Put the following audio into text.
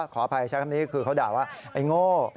ขออภัยใช้คำนี้คือเขาด่าว่าไอ้โง่